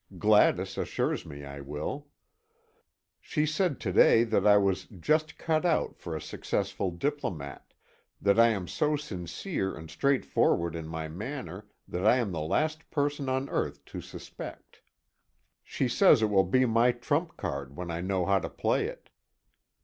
Gladys assures me I will. She said to day that I was "just cut out" for a successful diplomat; that I am so sincere and straightforward in my manner that I am the last person on earth to suspect. She says it will be my "trump card" when I know how to play it.